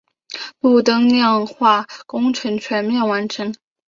路灯亮化工程全面完成。